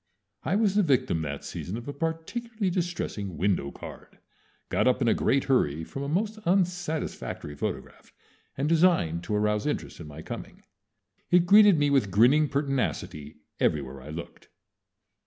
I was the victim that season of a particularly distressing window card, got up in a great hurry from a most unsatisfactory photograph, and designed to arouse interest in my coming. It greeted me with grinning pertinacity everywhere I looked.